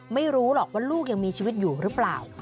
ไม่รู้หรอกว่าลูกยังมีชีวิตอยู่หรือเปล่า